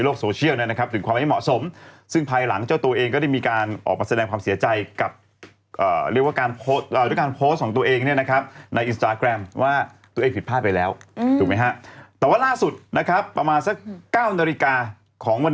เรียกช่างอ่ะมาให้สร้องพอปากปลา